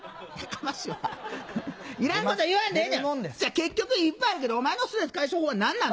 結局いっぱいあるけどお前のストレス解消法は何なの？